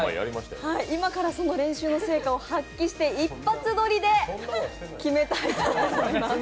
今からその練習の成果を発揮して一発撮りで決めたいと思います。